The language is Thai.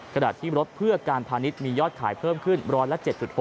ขณะที่รถเพื่อการพาณิชย์มียอดขายเพิ่มขึ้น๑๐๗๖